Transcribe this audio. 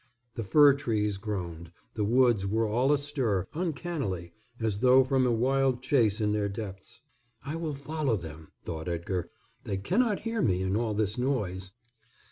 The fir trees groaned, the woods were all astir, uncannily, as though from a wild chase in their depths. "I will follow them," thought Edgar. "They cannot hear me in all this noise."